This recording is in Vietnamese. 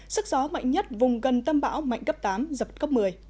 sức gió mạnh nhất vùng gần tâm bão mạnh cấp tám giật cấp một mươi